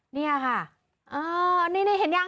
นี่ค่ะนี่เห็นยัง